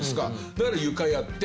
だから床やって。